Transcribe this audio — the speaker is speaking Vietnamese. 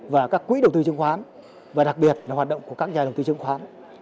và các quỹ đầu tư chứng khoán và đặc biệt là hoạt động của các nhà đầu tư chứng khoán